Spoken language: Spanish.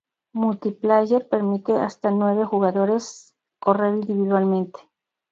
Multi Player permite hasta nueve jugadores correr individualmente.